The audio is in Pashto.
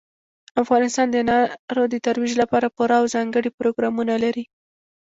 افغانستان د انارو د ترویج لپاره پوره او ځانګړي پروګرامونه لري.